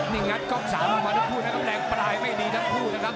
นี่งัดก๊อก๓ลงมาทั้งคู่นะครับแรงปลายไม่ดีทั้งคู่นะครับ